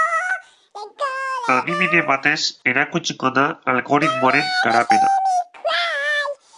Adibide batez erakutsiko da algoritmoaren garapena.